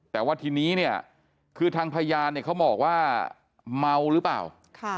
แต่ว่าทีนี้เนี่ยคือทางพยานเนี่ยเขาบอกว่าเมาหรือเปล่า